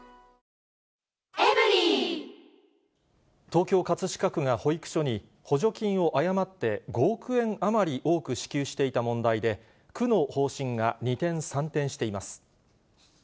東京・葛飾区が保育所に、補助金を誤って５億円余り多く支給していた問題で、区の方針が二転三転しています。